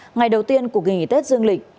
ngày đầu tiên của kỳ nghỉ tết dương lịch